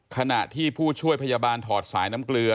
ขณะที่ผู้ช่วยพยาบาลถอดสายน้ำเกลือ